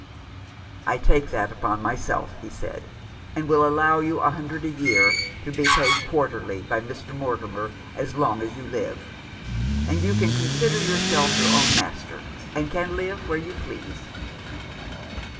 "I take that upon myself," he said, "and will allow you a hundred a year, to be paid quarterly by Mr. Mortimer, as long as you live ; and you can consider yourself your own master, and can live where you please."